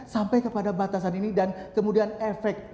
sampai kepada batasan ini dan kemudian efek